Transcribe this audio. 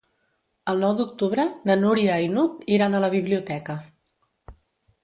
El nou d'octubre na Núria i n'Hug iran a la biblioteca.